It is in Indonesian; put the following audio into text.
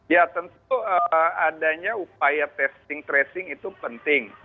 itu adanya upaya testing tracing itu penting